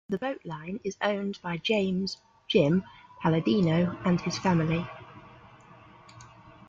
The boat line is owned by James "Jim" Palladino and his family.